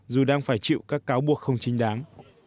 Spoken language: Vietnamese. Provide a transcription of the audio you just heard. nhưng phải chịu các cáo buộc không chính đáng